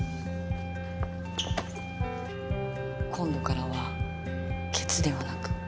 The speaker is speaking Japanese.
今度からはケツではなく。